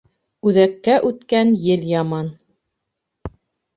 Үҙәккә үткән ел яман